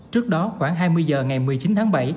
trước đó khoảng hai mươi h ngày một mươi chín tháng bảy